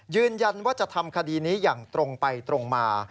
ยืนยันว่าจะทำคดีนี้อย่างตรงไปตรงมา